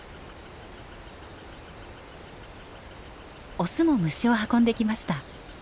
オスも虫を運んできました。